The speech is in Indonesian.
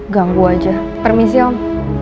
ganggu aja permisi om